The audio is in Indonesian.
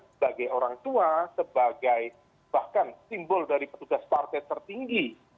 sebagai orang tua sebagai bahkan simbol dari petugas partai tertinggi